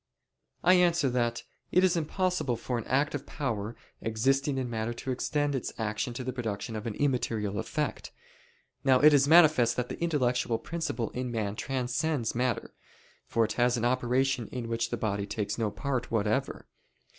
I answer that, It is impossible for an active power existing in matter to extend its action to the production of an immaterial effect. Now it is manifest that the intellectual principle in man transcends matter; for it has an operation in which the body takes no part whatever.